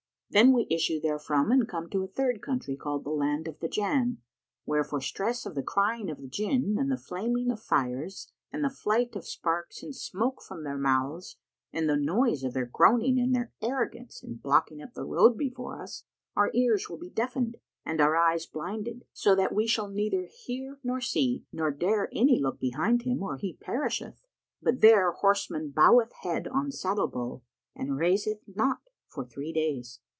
Then we issue therefrom and come to a third country, called the Land of the Jánn, where, for stress of the crying of the Jinn and the flaming of fires and the flight of sparks and smoke from their mouths and the noise of their groaning and their arrogance in blocking up the road before us, our ears will be deafened and our eyes blinded, so that we shall neither hear nor see, nor dare any look behind him, or he perisheth: but there horseman boweth head on saddle bow and raiseth it not for three days.